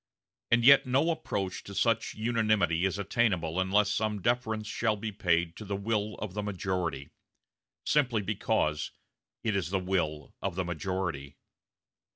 And yet no approach to such unanimity is attainable unless some deference shall be paid to the will of the majority, simply because it is the will of the majority.